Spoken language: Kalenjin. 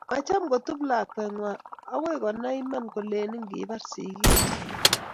macham kotup lakwee ng'wang okoi konai iman koleni kibar sikiik chii.